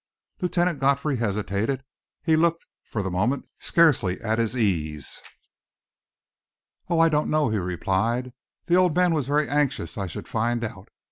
Lieutenant Godfrey hesitated. He looked, for the moment, scarcely at his ease. "Oh, I don't know," he replied. "The old man was very anxious I should find out.